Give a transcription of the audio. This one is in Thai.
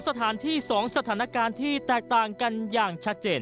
สถานที่๒สถานการณ์ที่แตกต่างกันอย่างชัดเจน